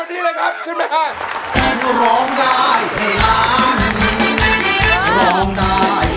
เพลงนี้อยู่ในอาราบัมชุดแรกของคุณแจ็คเลยนะครับ